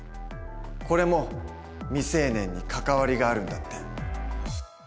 これも未成年に関わりがあるんだって。